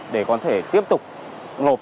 để có thể tiếp tục lột